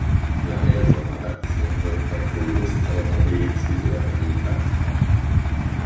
La maison appartient un temps aux descendants héritiers de la famille Bach.